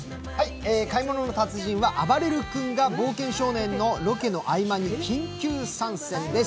「買い物の達人」はあばれる君が「冒険少年」のロケの合間に緊急参戦です。